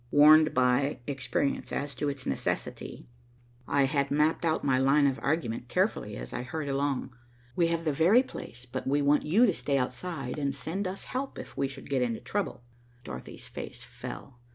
Warned by experience as to its necessity, I had mapped out my line of argument carefully, as I hurried along. "We have the very place, but we want you to stay outside and send us help, if we should get into trouble." Dorothy's face fell.